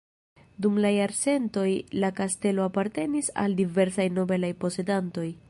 Dum la jarcentoj la kastelo apartenis al diversaj nobelaj posedantoj.